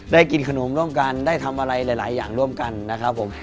ได้กินขนมร่วมกันได้ทำอะไรหลายอย่างร่วมกันนะครับผม